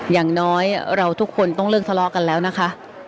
อย่างน้อยเราทุกคนต้องเลิกทะเลาะกันแล้วนะคะ